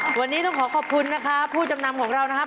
วันนี้ต้องขอขอบคุณนะครับผู้จำนำของเรานะครับ